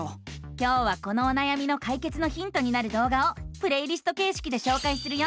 今日はこのおなやみのかいけつのヒントになる動画をプレイリストけいしきでしょうかいするよ！